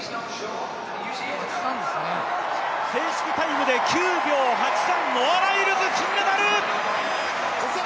正式タイムで９秒８３、ノア・ライルズ金メダル。